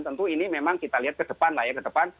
tentu ini memang kita lihat ke depan lah ya